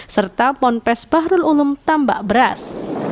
serta ponpes bahrul ulum tambak beras